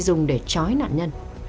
dùng để chói nạn nhân